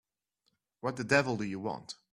What the devil do you want?